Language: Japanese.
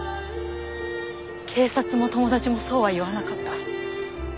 警察も友達もそうは言わなかった。